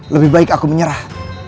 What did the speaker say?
lebih baik aku menyerah